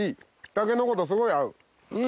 タケノコとすごい合う！